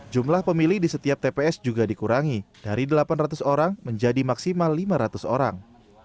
jumlah pemilih di setiap tps juga dikurangi dari delapan ratus orang menjadi maksimal lima ratus orang